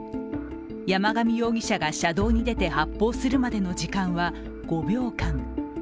山上容疑者が車道に出て発砲するまでの時間は５秒間。